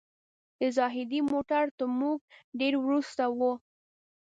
د زاهدي موټر تر موږ ډېر وروسته و.